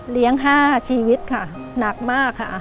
เลี้ยง๕ชีวิตค่ะหนักมากค่ะ